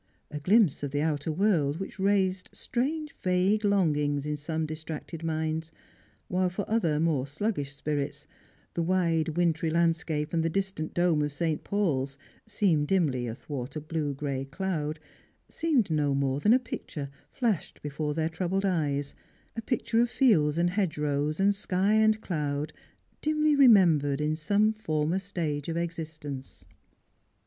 A glimpse of the outer world which raised strange vague long ings in some distracted minds, whilst for other more sluggish spirits the wide wintry landscape and the distant dome of St. Paul's, seen dimly athwai t a blue gray cloud, seemed no more than a picture flashed before their troubled eyes — a picture of fields and hedgerows and sky and cloud dimly re membered in some former stage of existence.